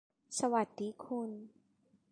สวัสดีคุณ